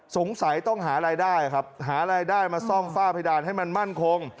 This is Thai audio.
สงสัยต้องหารายได้ครับหารายได้มาซ่อมฝ้าเพดานให้มันมั่นคง